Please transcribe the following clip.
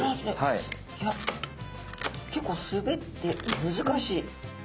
いや結構すべって難しい。